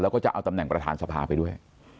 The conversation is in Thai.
แล้วก็จะเอาตำแหน่งประธานสภาไปด้วย